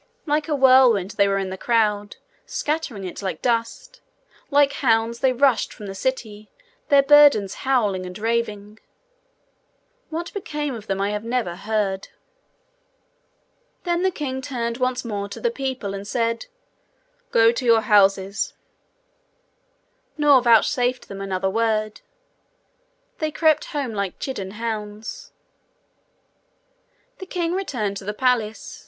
Like a whirlwind they were in the crowd, scattering it like dust. Like hounds they rushed from the city, their burdens howling and raving. What became of them I have never heard. Then the king turned once more to the people and said, 'Go to your houses'; nor vouchsafed them another word. They crept home like chidden hounds. The king returned to the palace.